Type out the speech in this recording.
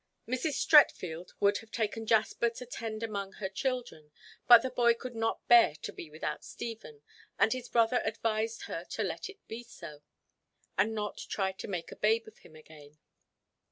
Mrs. Streatfield would have taken Jasper to tend among her children, but the boy could not bear to be without Stephen, and his brother advised her to let it be so, and not try to make a babe of him again.